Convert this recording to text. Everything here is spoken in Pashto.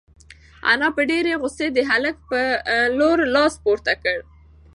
انا په ډېرې غوسې د هلک په لور لاس پورته کړ.